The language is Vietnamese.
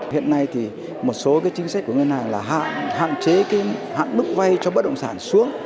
hiện nay thì một số chính sách của ngân hàng là hạn chế hạn bức vay cho bất động sản xuống